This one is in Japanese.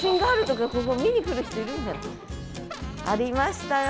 ありましたよ。